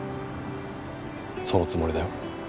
そのつもりだよ。